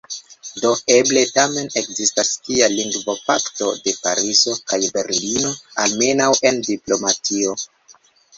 Do eble tamen ekzistas tia lingvopakto de Parizo kaj Berlino – almenaŭ en diplomatio.